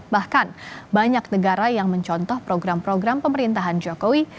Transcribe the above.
bahkan banyak negara yang mencontoh program program pemerintahan jokowi